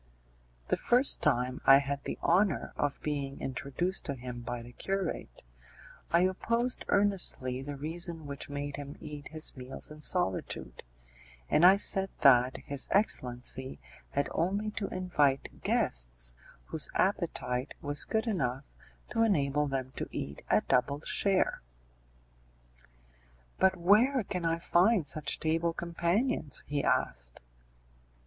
The first time I had the honour of being introduced to him by the curate, I opposed earnestly the reason which made him eat his meals in solitude, and I said that his excellency had only to invite guests whose appetite was good enough to enable them to eat a double share. "But where can I find such table companions?" he asked.